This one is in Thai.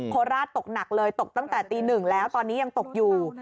โคราชตกหนักเลยตกตั้งแต่ตีหนึ่งแล้วตอนนี้ยังตกอยู่